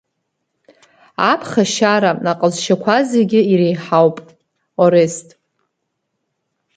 Аԥхашьара, аҟазшьақәа зегьы иреиҳауп, Орест.